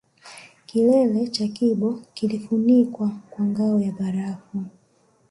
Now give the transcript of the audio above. Kilele cha Kibo kilifunikwa kwa ngao ya barafu